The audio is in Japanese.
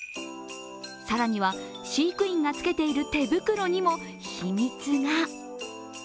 更には、飼育員が着けている手袋には秘密が。